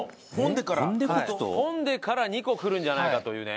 ポン・デから２個くるんじゃないかというね。